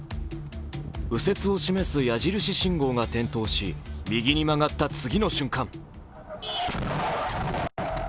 右折を示す矢印信号が点灯し右に曲がった次の瞬間